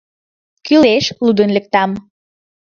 Кӱлеш, лудын лектам?